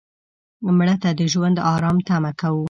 مړه ته د ژوند آرام تمه کوو